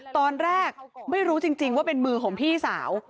ตอนแรกไม่รู้จริงว่าเป็นมือของพี่สาว